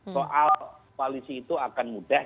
soal koalisi itu akan mudah